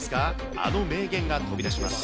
あの名言が飛び出します。